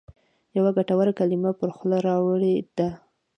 یوه ګټوره کلمه پر خوله راوړې ده.